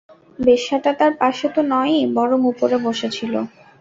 বেশ্যাটা তার পাশে তো নয়ই বরং উপরে বসে ছিল।